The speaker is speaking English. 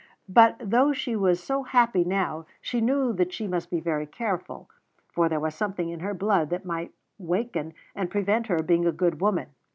But though she was so happy now, she knew that she must be very careful, for there was something in her blood that might waken and prevent her being a good woman.